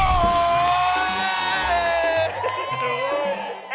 โอ้โห